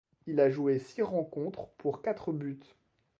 Il a joué six rencontres pour quatre buts.